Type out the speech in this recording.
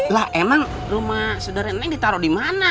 lah emang rumah saudara neng ditaro dimana